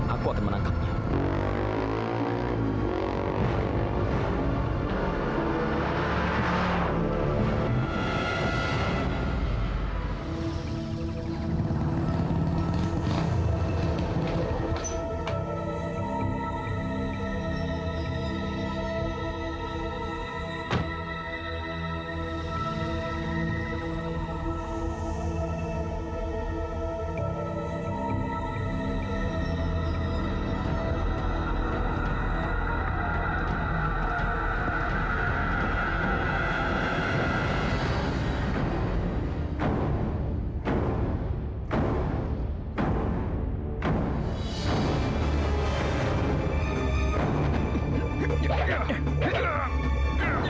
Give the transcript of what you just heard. aku akan menang